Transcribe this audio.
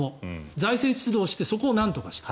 財政出動してそこをなんとかした。